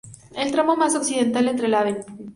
El tramo más occidental, entre la "Avda.